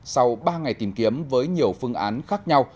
sau ba ngày tìm kiếm với nhiều phương án khác nhau